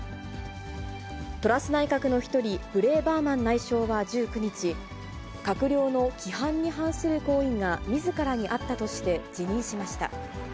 トラス内閣の１人、ブレーバーマン内相は１９日、閣僚の規範に反する行為がみずからにあったとして、辞任しました。